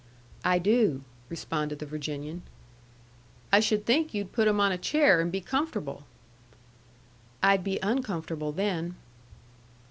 "I do," responded the Virginian. "I should think you'd put them on a chair and be comfortable." "I'd be uncomfortable, then."